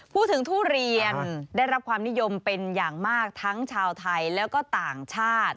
ทุเรียนได้รับความนิยมเป็นอย่างมากทั้งชาวไทยแล้วก็ต่างชาติ